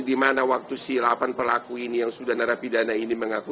di mana waktu si delapan pelaku ini yang sudah narapidana ini mengaku